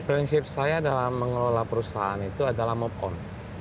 prinsip saya dalam mengelola perusahaan itu adalah move on